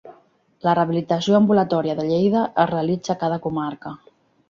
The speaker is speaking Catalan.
La rehabilitació ambulatòria de Lleida es realitza a cada comarca.